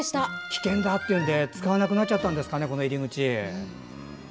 危険だというんで使わなくなっちゃったんですかね。